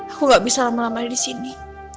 aku gak bisa lama lama disini